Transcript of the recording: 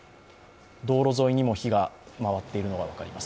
道路沿いにも火が回っているのが分かります。